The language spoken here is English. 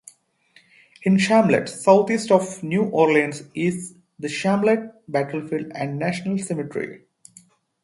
In Chalmette, southeast of New Orleans, is the Chalmette Battlefield and National Cemetery.